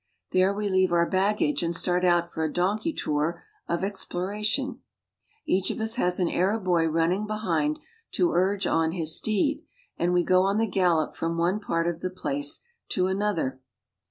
There we leave our baggage and start out for a donkey tour of ex ploration. Each of us has an Arab boy rminin^ bL hiiid to urge on his steed, and we go on the gallop from one part of the place to an other.